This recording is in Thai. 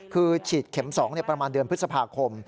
คือฉีดเข็ม๒ประมาณเดือนพฤษภาคม